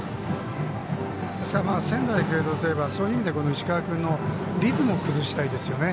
仙台育英とすればそういう意味では石川君のリズムを崩したいですよね。